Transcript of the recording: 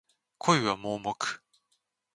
恋は盲目